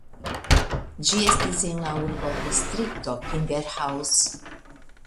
Ĝi estis en la urbodistrikto "Kinderhaus".